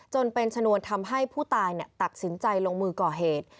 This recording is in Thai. จนเป็นชนวนทำให้ผู้ตายตัดสินใจลงมือก่อเหตุ